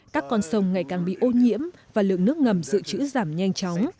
các con sông ngày càng bị ô nhiễm và lượng nước ngầm dự trữ giảm nhanh chóng